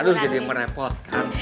aduh jadi merepotkan